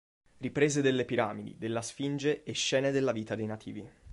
Riprese delle piramidi, della Sfinge e scene della vita dei nativi.